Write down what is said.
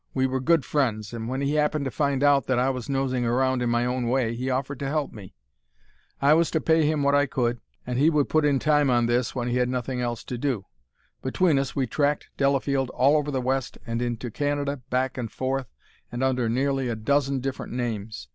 We were good friends, and when he happened to find out that I was nosing around in my own way he offered to help me. I was to pay him what I could, and he would put in time on this when he had nothing else to do. Between us we tracked Delafield all over the West and into Canada, back and forth, and under nearly a dozen different names.